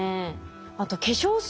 あと化粧水。